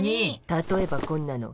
例えばこんなの。